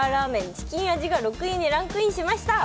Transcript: チキン味が６位にランクインしました。